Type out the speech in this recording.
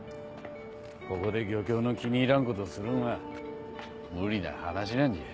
ここで漁協の気に入らんことをするんは無理な話なんじゃ。